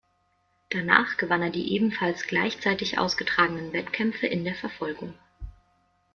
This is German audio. Danach gewann er die ebenfalls gleichzeitig ausgetragenen Wettkämpfe in der Verfolgung.